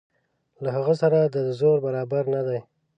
له هغه سره د ده زور برابر نه دی.